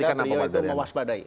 saya kira beliau itu mewaspadai